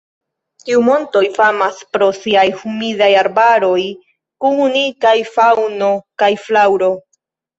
Tiu montoj famas pro siaj humidaj arbaroj kun unikaj faŭno kaj flaŭro.